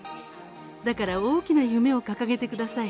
だから大きな夢を掲げてください。